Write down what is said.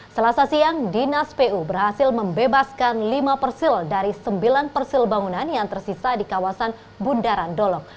selasa siang dinas pu berhasil membebaskan lima persil dari sembilan persil bangunan yang tersisa di kawasan bundaran dolok